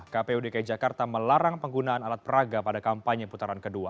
kpu dki jakarta melarang penggunaan alat peraga pada kampanye putaran kedua